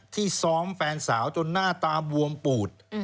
ซ้อมแฟนสาวจนหน้าตาบวมปูด